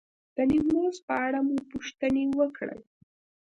د نیمروز په اړه مو پوښتنې وکړې.